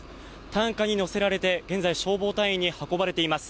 担架に乗せられて、現在、消防隊員に運ばれています。